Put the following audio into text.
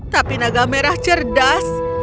tapi naga merah cerdas